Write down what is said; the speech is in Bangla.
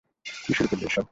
কী শুরু করলে এসব?